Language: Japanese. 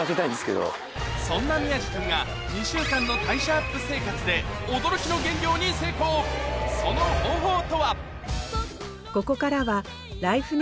そんな宮治君が２週間の代謝アップ生活で驚きの減量に成功その方法とは？